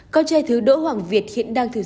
con trai thứ đỗ hoàng việt hiện đang thử dụng